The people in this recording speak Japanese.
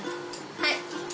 はい。